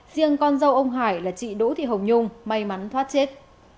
riêng con dâu ông hải là chị đỗ thị hồng nhung may mắn thoát chết